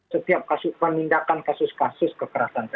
setiap kasus pemindahan kasus kasus kekerasan seksual